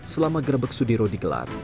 setelah menyebuk sudiro di gelar